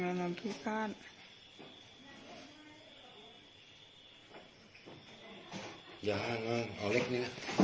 พระเจ้าทางนี้